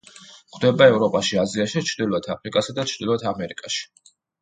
გვხვდება ევროპაში, აზიაში, ჩრდილოეთ აფრიკასა და ჩრდილოეთ ამერიკაში.